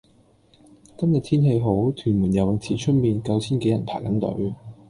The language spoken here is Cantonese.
今日天氣好，屯門游泳池出面九千幾人排緊隊。